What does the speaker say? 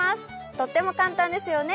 とっても簡単ですよね。